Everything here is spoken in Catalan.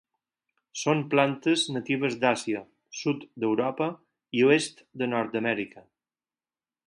Són plantes natives d'Àsia, sud d'Europa i oest de Nord-amèrica.